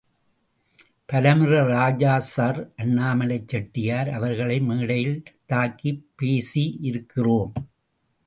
பலமுறை ராஜாசர் அண்ணாமலை செட்டியார் அவர்களை மேடையில் தாக்கி பேசி இருக்கிறோம்.